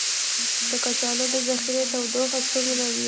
د کچالو د ذخیرې تودوخه څومره وي؟